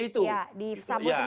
di sambu sendiri ya